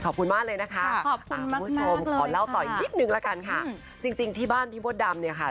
ขอบคุณมากเลยนะคะขอบคุณคุณผู้ชมขอเล่าต่ออีกนิดนึงละกันค่ะจริงจริงที่บ้านพี่มดดำเนี่ยค่ะ